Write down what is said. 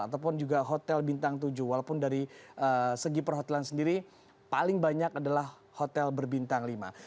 ataupun juga hotel bintang tujuh walaupun dari segi perhotelan sendiri paling banyak adalah hotel berbintang lima